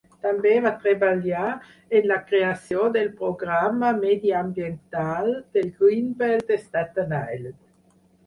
També va treballar en la creació del programa mediambiental del Greenbelt de Staten Island.